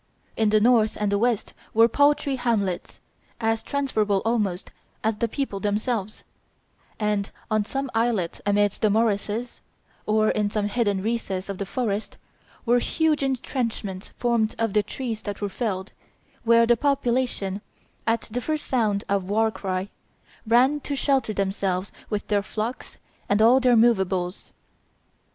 In the north and the west were paltry hamlets, as transferable almost as the people themselves; and on some islet amidst the morasses, or in some hidden recess of the forest, were huge intrenchments formed of the trees that were felled, where the population, at the first sound of the war cry, ran to shelter themselves with their flocks and all their movables.